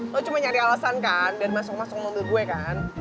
lo cuma nyari alasan kan biar masuk masuk mobil gue kan